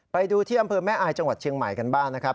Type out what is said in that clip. ไปดูที่อำเภอแม่อายจังหวัดเชียงใหม่กันบ้างนะครับ